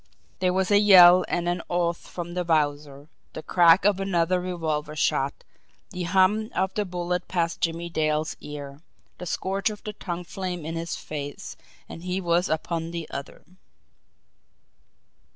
There was a yell and an oath from the Wowzer the crack of another revolver shot, the hum of the bullet past Jimmie Dale's ear, the scorch of the tongue flame in his face, and he was upon the other.